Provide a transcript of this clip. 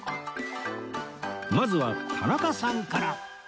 まずは田中さんから